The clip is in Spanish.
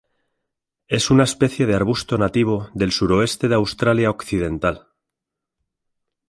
Es una especie de arbusto nativo del suroeste de Australia Occidental.